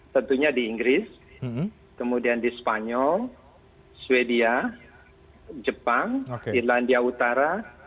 tentunya di inggris kemudian di spanyol sweden jepang irlandia utara